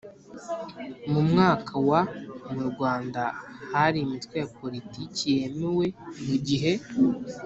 mu mwaka w mu Rwanda hari Imitwe ya Politiki yemewe mu gihe